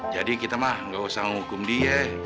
jadi kita mah enggak usah ngukum dia